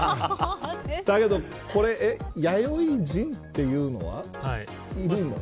だけど、これ弥生人というのはいるの。